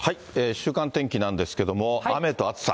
週間天気なんですけれども、雨と暑さ。